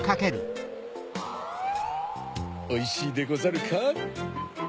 おいしいでござるか？